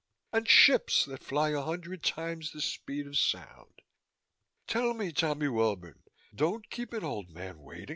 And ships that fly a hundred times the speed of sound. Tell me, Tommy Welbourne! Don't keep an old man waiting!"